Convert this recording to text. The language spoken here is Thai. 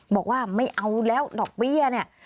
บอกว่าไม่เอาแล้วดอกเบี้ยเนี่ย